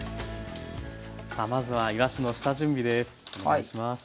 さあまずはいわしの下準備です。